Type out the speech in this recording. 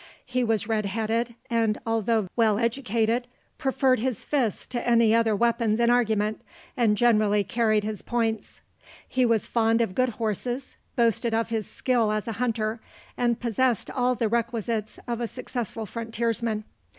He was red headed, and although well educated, preferred his fists to any other weapons in argument, and generally carried his points. He was fond of good horses, boasted of his skill as a hunter, and possessed all the requisites of a successful frontiersman.